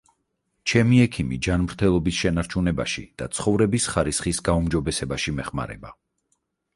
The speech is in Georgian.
ჩემი ექიმი ჯანმრთელობის შენარჩუნებაში და ცხოვრების ხარისხის გაუმჯობესებაში მეხმარება.